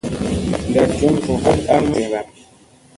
Ndat njun njuvut a min zira.